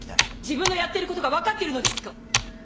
自分のやってることが分かってるのですか！